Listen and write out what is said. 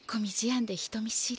んで人見知り。